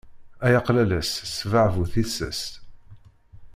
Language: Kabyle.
Ay aqlalas ssbeɛ bu tissas.